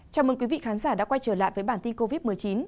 chào mừng quý vị khán giả đã quay trở lại với bản tin covid một mươi chín